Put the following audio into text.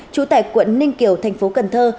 trú tại quận ninh kiều thành phố cần thơ